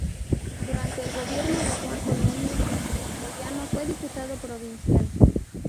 Durante el gobierno de Juan Cornelio Moyano fue diputado provincial.